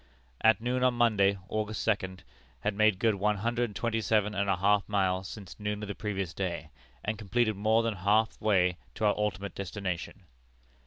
"At noon on Monday, August second, had made good one hundred and twenty seven and a half miles since noon of the previous day, and completed more than the half way to our ultimate destination.